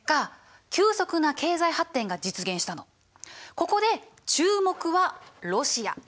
ここで注目はロシア。